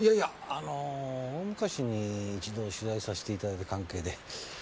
あの大昔に一度取材させていただいた関係で。